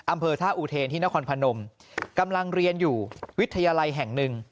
อำเภอท่าอุเทนที่นครพนมกำลังเรียนอยู่วิทยาลัยแห่งหนึ่ง